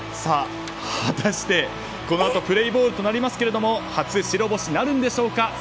果たして、このあとプレーボールとなりますけれども初白星なるんでしょうか。